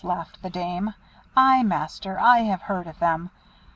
laughed the dame. "Ay, Master, I have heard of them.